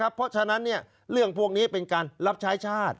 เพราะฉะนั้นเรื่องพวกนี้เป็นการรับใช้ชาติ